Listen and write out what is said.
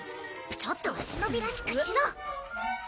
ちょっとは忍びらしくしろ！